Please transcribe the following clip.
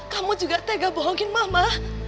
kamu juga tega bohongin mama